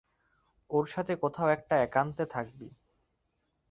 ওর সাথে কোথাও একটা একান্তে থাকবি।